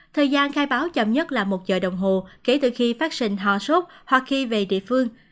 thời gian khai báo chậm nhất là một giờ đồng hồ kể từ khi phát sinh ho sốt hoặc khi về địa phương